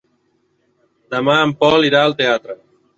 Demà en Pol irà al teatre.